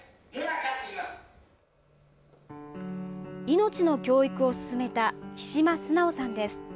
命の教育を進めた比島順さんです。